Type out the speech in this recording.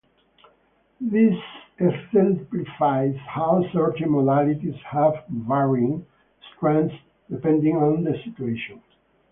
This exemplifies how certain modalities have varying strengths depending on the situation.